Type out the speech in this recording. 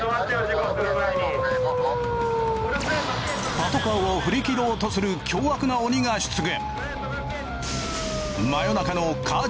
パトカーを振り切ろうとする凶悪な鬼が出現！